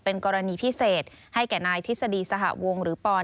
เป็นกรณีพิเศษให้แก่นายทฤษฎีสหวงหรือปอทฤษฎีสหวง